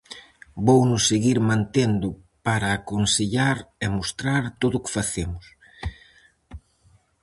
Vouno seguir mantendo para aconsellar e mostrar todo o que facemos.